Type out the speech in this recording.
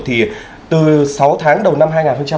thì từ sáu tháng đầu năm